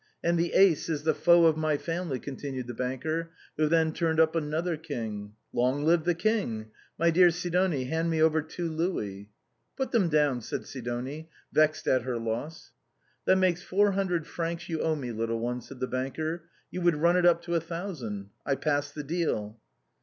"And the ace is the foe of ray family," continued the banker, who then turned up another king. "Long live the king! My dear Sidonie, hand me over two louis." " Put them down," said Sidonie, vexed at her loss. " That makes four hundred francs you owe me, little one," said the banker ;" you would run it up to a thousand. I pass the deal."